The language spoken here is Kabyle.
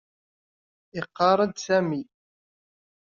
Iqarr-d Sami.